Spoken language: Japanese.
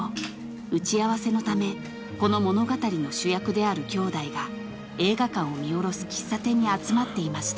［打ち合わせのためこの物語の主役である兄弟が映画館を見下ろす喫茶店に集まっていました］